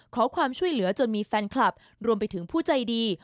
ขอความช่วยเหลือจนมีแฟนคลับรวมไปถึงผู้ใจดี